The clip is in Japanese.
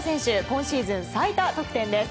今シーズン最多得点です。